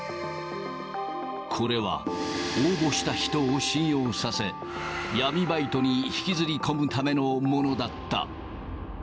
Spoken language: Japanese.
これは、応募した人を信用させ、闇バイトに引きずり込むためのものだった。